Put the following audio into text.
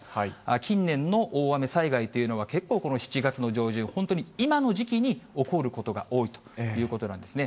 近年の大雨災害というのは、結構この７月の上旬、本当に今の時期に起こることが多いということなんですね。